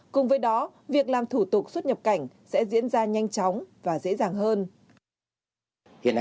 cùng với đó việc làm thủ tục xuất nhập cảnh sẽ diễn ra nhanh chóng và dễ dàng hơn